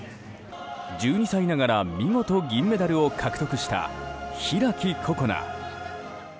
１２歳ながら見事銀メダルを獲得した開心邦。